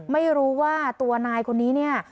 ไม่รู้ว่าตัวนายคนนี้เนี่ย